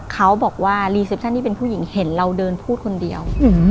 เขาบอกว่ารีเซปชั่นที่เป็นผู้หญิงเห็นเราเดินพูดคนเดียว